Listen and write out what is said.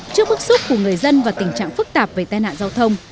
trước bức xúc của người dân và tình trạng phức tạp về tai nạn giao thông